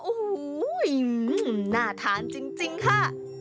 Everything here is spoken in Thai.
อู้หู้หน้าทานจริงค่ะ